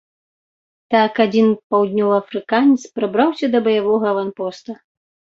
Так, адзін паўднёваафрыканец прабраўся да баявога аванпоста.